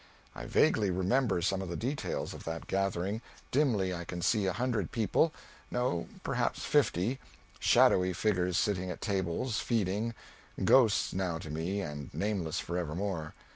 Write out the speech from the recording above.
I vaguely remember some of the details of that gathering dimly I can see a hundred people no, perhaps fifty shadowy figures sitting at tables feeding, ghosts now to me, and nameless forever more.